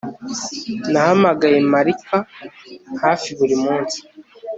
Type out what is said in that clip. Nahamagaye Marika hafi buri munsi